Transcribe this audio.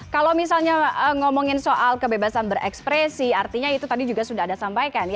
kalau misalnya ngomongin soal kebebasan berekspresi artinya itu tadi juga sudah ada sampaikan